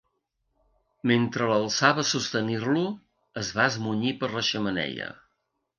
Mentre l'alçava sostenint-lo, es va esmunyir per la xemeneia.